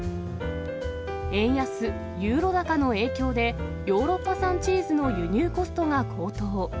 円安ユーロ高の影響で、ヨーロッパ産チーズの輸入コストが高騰。